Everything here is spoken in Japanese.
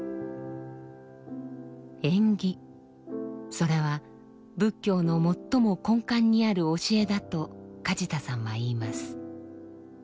それは仏教の最も根幹にある教えだと梶田さんは言います。